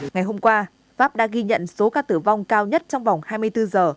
ngày hôm qua pháp đã ghi nhận số ca tử vong cao nhất trong vòng hai mươi bốn giờ